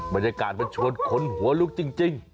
บรรยากาศมันชวนคนหัวลุกจริง